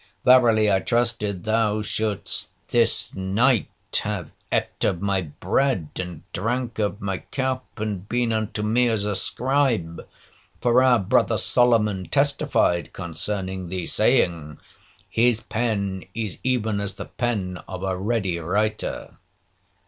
Verily I trusted thou shouldst this night have eat of my bread, and drank of my cup, and been unto me as a scribe, for our brother Solomon testified concerning thee, saying, His pen is even as the pen of a ready writer.'